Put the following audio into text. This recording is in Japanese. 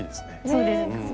そうです